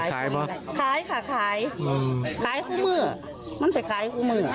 ขายใช้ไหมขายค่ะขายขายคู่เมื่อ